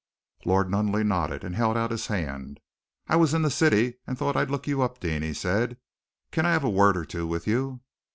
Lord Nunneley nodded, and held out his hand. "I was in the city and thought I'd look you up, Deane," he said. "Can I have a word or two with you?"